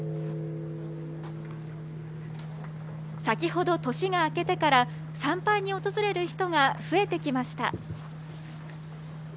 先ほど年が明けてから参拝に訪れる人が増えてきました。